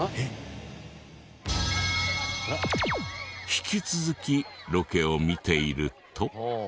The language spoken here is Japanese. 引き続きロケを見ていると。